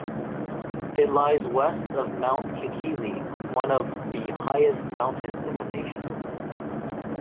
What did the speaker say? It lies west of Mount Kikizi, one of the highest mountains in the nation.